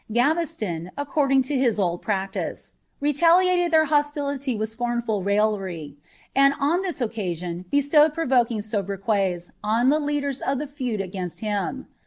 Gaveslon, sceotrti to his old practice, retaliated their hostility with scornful raillery, taS fliit occasion bestowed provoking xobriquels on the lenders of ibe fi against him.